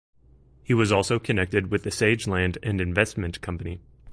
He was also connected with the Sage Land and Investment Company.